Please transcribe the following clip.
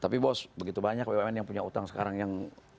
tapi bos begitu banyak bumn yang punya utang sekarang yang